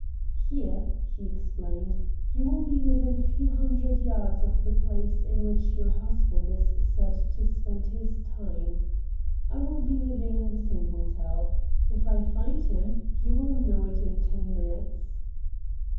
"Here," he explained, "you will be within a few hundred yards of the place in which your husband is said to spend his time. I will be living in the same hotel. If I find him you will know it in ten minutes."